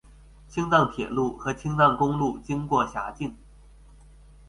青藏铁路和青藏公路经过辖境。